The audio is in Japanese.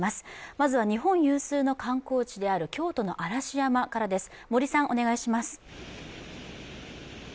まずは日本有数の観光地である京都の嵐山からです、森さんお願いします。